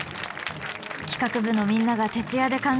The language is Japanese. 企画部のみんなが徹夜で考え出した図柄。